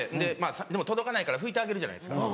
でも届かないから拭いてあげるじゃないですか。